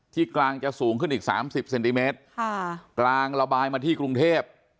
กลางจะสูงขึ้นอีกสามสิบเซนติเมตรค่ะกลางระบายมาที่กรุงเทพ